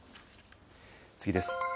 次です。